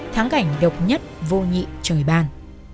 tháng cảnh độc nhất vô nhị trời ban